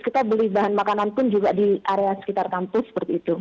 kita beli bahan makanan pun juga di area sekitar kampus seperti itu